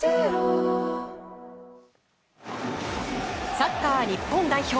サッカー日本代表。